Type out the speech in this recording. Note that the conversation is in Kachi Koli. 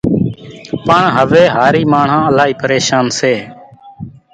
پڻ هويَ هارِي ماڻۿان الائِي پريشانَ سي۔